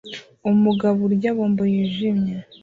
umugabo urya bombo yijimye